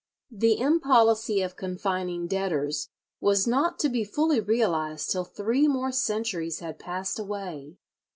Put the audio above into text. [45:1] The impolicy of confining debtors was not to be fully realized till three more centuries had passed away.